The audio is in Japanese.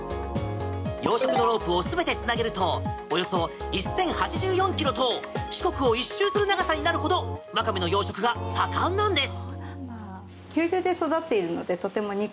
養殖のロープを全てつなげるとおよそ１０８４ｋｍと四国を１周する長さになるほどワカメの養殖が盛んなんです。